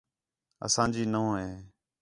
اسانجی نَوح ہِے